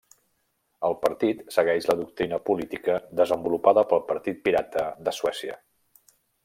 El partit segueix la doctrina política desenvolupada pel Partit Pirata de Suècia.